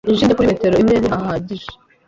inshinge kuri metero imwe ntihahagije